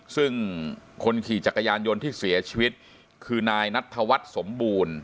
ซึ่งคนขี่จักรยานยนต์ที่เสียชีวิตคือนายนัทธวัฒน์สมบูรณ์